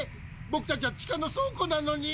ぼくたちは地下の倉庫なのに。